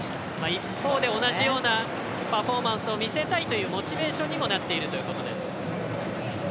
一方で、同じようなパフォーマンスを見せたいというモチベーションにもなっているということです。